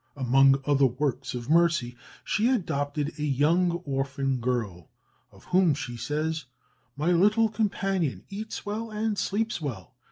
Among other works of mercy, she adopted a young orphan girl, of whom she says: "My little companion eats well and sleeps well.